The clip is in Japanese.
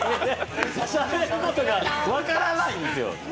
しゃべることが分からないんですよ。